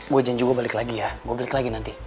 gue janji gue balik lagi ya gue balik lagi nanti